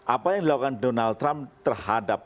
apa yang dilakukan donald trump terhadap